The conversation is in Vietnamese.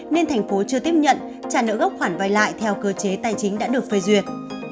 nên thành phố chưa tiếp nhận trả nợ gốc khoản vay lại theo cơ chế tài chính đã được phê duyệt